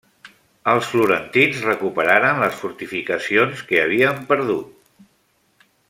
Els florentins recuperaren les fortificacions que havien perdut.